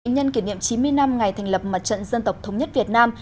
nhân kỷ niệm chín mươi năm ngày thành lập mặt trận dân tộc thống nhất việt nam